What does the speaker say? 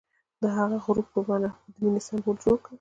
هغه د غروب په بڼه د مینې سمبول جوړ کړ.